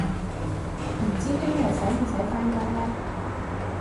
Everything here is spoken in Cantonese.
唔知聽日使唔使返工呢